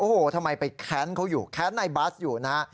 โอ้โหทำไมไปแค้นเขาอยู่แค้นในบัสอยู่นะฮะ